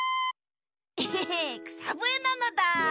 えへへくさぶえなのだ！